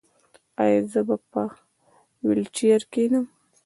ایا زه به په ویلچیر کینم؟